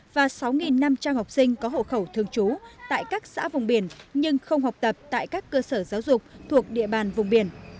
và sáu năm trăm linh học sinh có hộ khẩu thường trú tại các xã vùng biển nhưng không học tập tại các cơ sở giáo dục thuộc địa bàn vùng biển